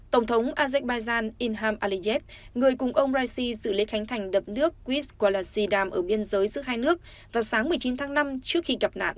tổng thống azerbaijan inham aliyev người cùng ông raisi xử lý khánh thành đập nước quds qalasidam ở biên giới giữa hai nước vào sáng một mươi chín tháng năm trước khi gặp nạn